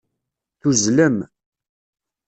Tuzzlem.